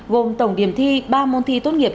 gồm tổng điểm thi ba môn thi tốt nghiệp